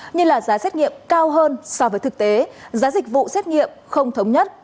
như là giá xét nghiệm cao hơn so với thực tế giá dịch vụ xét nghiệm không thống nhất